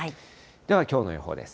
ではきょうの予報です。